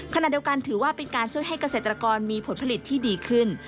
ขณะเดียวกันถือว่าเป็นการช่วยให้เกษตรกรมีผลผลิตที่ดีขึ้น